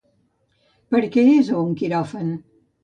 Per què és a un quiròfan?